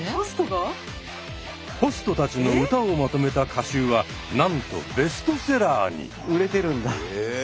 ホストたちの歌をまとめた歌集はなんとベストセラーに。